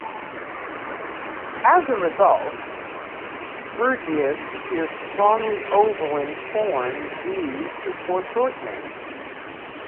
As a result, Byrgius appears strongly oval in form due to foreshortening.